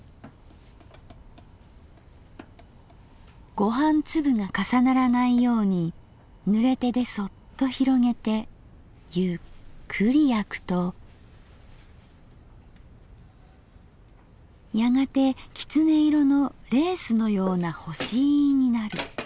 「ご飯粒が重ならないように濡れ手でそっと拡げてゆっくり焼くとやがて狐色のレースのような干飯になる」。